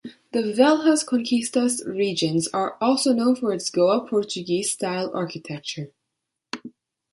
The Velhas Conquistas regions are also known for its Goa-Portuguese style architecture.